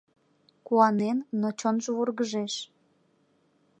Куанен, но чонжо вургыжеш.